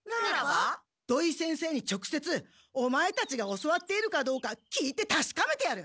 土井先生にちょくせつオマエたちが教わっているかどうか聞いてたしかめてやる！